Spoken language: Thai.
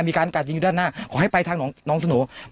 มีการกัดยิงอยู่ด้านหน้าขอให้ไปทางน้องสโหน่